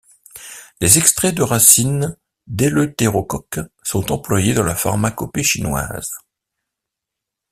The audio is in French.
Les extraits de racines d'éleuthérocoque sont employés dans la pharmacopée chinoise.